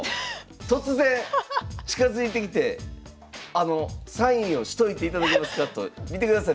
突然近づいてきて「あのサインをしといていただけますか」と。見てください